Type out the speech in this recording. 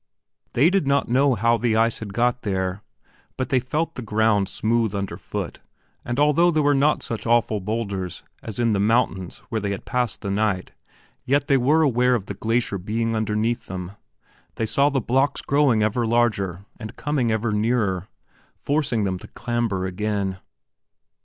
They did not know how the ice had got there, but they felt the ground smooth underfoot, and although there were not such awful boulders as in the moraine where they had passed the night, yet they were aware of the glacier being underneath them, they saw the blocks growing ever larger and coming ever nearer, forcing them to clamber again.